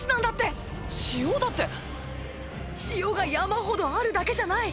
塩だって⁉塩が山ほどあるだけじゃない。